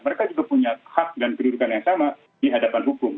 mereka juga punya hak dan kedudukan yang sama di hadapan hukum